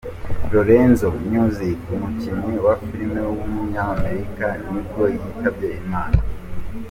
Lorenzo Music, umukinnyi wa film w’umunyamerika nibwo yitabye Imana.